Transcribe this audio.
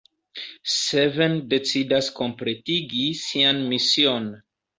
Seven decidas kompletigi sian mision.